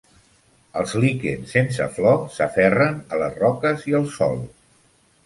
Els líquens sense flor s'aferren a les roques i al sòl.